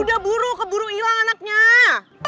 udah buru keburu hilang anaknya